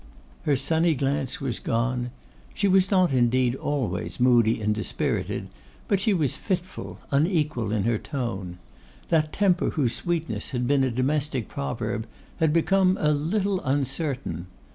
Her sunny glance was gone. She was not indeed always moody and dispirited, but she was fitful, unequal in her tone. That temper whose sweetness had been a domestic proverb had become a little uncertain.